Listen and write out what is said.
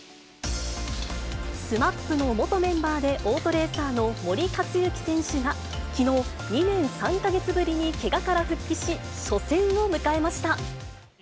ＳＭＡＰの元メンバーで、オートレーサーの森且行選手がきのう、２年３か月ぶりにけがから復帰し、初戦を迎えました。